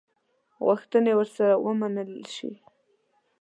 غوښتني ورسره ومنلي شي.